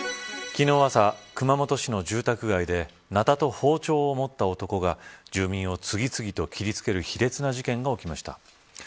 昨日朝、熊本市の住宅街でナタと包丁を持った男が住民を次々と切りつける卑劣な事件が起きました。